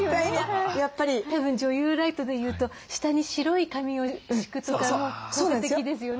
たぶん女優ライトでいうと下に白い紙を敷くとか効果的ですよね。